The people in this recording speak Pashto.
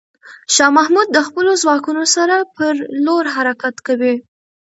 شاه محمود د خپلو ځواکونو سره پر لور حرکت کوي.